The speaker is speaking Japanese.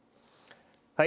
はい。